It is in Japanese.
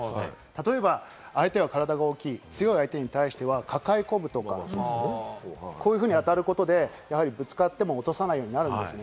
例えば相手は体が大きい、強い相手に対しては抱え込むとか、こういうふうに当たることで、ぶつかっても落とさないようになるんですね。